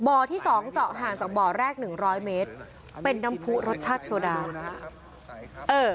ที่สองเจาะห่างจากบ่อแรกหนึ่งร้อยเมตรเป็นน้ำผู้รสชาติโซดาเออ